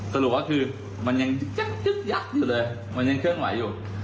สรุปก็คือมันยังยักษ์อยู่เลยมันยังเคลื่อนไหวอยู่